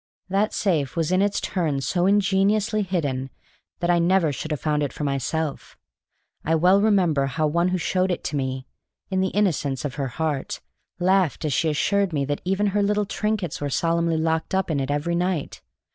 That safe was in its turn so ingeniously hidden that I never should have found it for myself. I well remember how one who showed it to me (in the innocence of her heart) laughed as she assured me that even her little trinkets were solemnly locked up in it every night.